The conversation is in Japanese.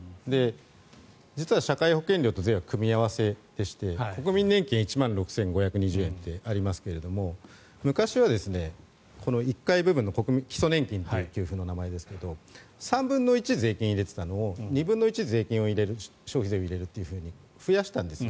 実は社会保険料と税は組み合わせでして国民年金１万６５２０円とありますが昔は基礎年金という名前ですが３分の１、税金を入れていたのを２分の１、税金を入れる消費税を入れると増やしたんです。